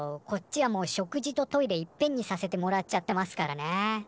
こっちはもう食事とトイレいっぺんにさせてもらっちゃってますからね。